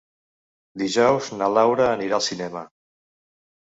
Dijous na Laura anirà al cinema.